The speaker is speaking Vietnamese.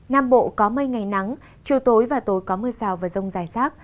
nam bộ có mây ngày nắng chiều tối và tối có mưa rào và rông rải rác